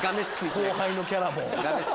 後輩のキャラも。